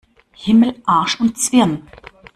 Himmel, Arsch und Zwirn!